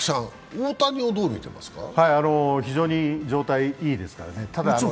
非常に状態がいいですからね。